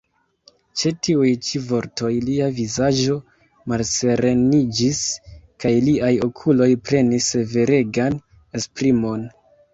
Ĉe tiuj ĉi vortoj lia vizaĝo malsereniĝis, kaj liaj okuloj prenis severegan esprimon.